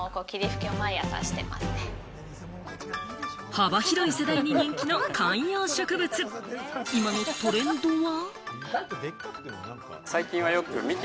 幅広い世代に人気の観葉植物、今のトレンドは？